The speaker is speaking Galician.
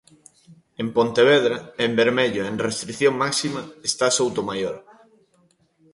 En Pontevedra, en vermello e en restrición máxima está Soutomaior.